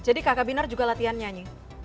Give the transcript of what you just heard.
jadi kakak binar juga latihan nyanyi